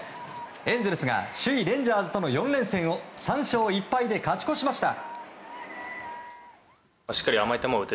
エンゼルスが首位レンジャーズとの４連戦を３勝１敗で勝ち越しました。